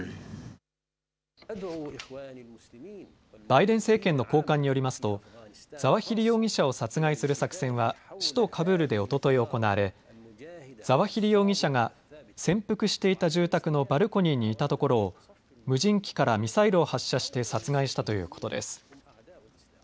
バイデン政権の高官によりますとザワヒリ容疑者を殺害する作戦は首都カブールでおととい行われザワヒリ容疑者が潜伏していた住宅のバルコニーにいたところを無人機からミサイルを発射して殺害したということです。